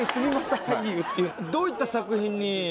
どういった作品に？